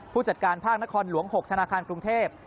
ผู้จัดการภาคนครหลวง๖ธนาคารกรุงเทพ